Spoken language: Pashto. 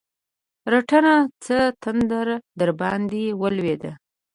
رټنه؛ څه تندر درباندې ولوېد؟!